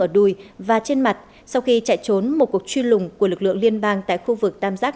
ở đùi và trên mặt sau khi chạy trốn một cuộc truy lùng của lực lượng liên bang tại khu vực tam giác